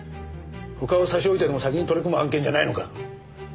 他を差し置いてでも先に取り組む案件じゃないのか？